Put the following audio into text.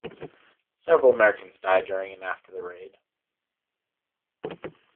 Several Americans died during and after the raid.